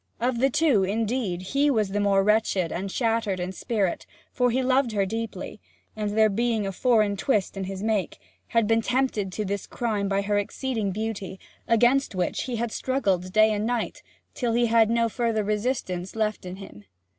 Of the two, indeed, he was the more wretched and shattered in spirit, for he loved her deeply, and (there being a foreign twist in his make) had been tempted to this crime by her exceeding beauty, against which he had struggled day and night, till he had no further resistance left in him.